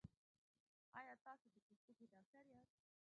ایا تاسو د پوستکي ډاکټر یاست؟